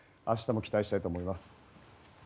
明日も期待したいと思います。